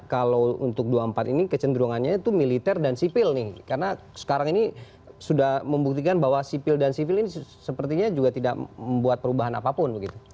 kalau untuk dua puluh empat ini kecenderungannya itu militer dan sipil nih karena sekarang ini sudah membuktikan bahwa sipil dan sipil ini sepertinya juga tidak membuat perubahan apapun begitu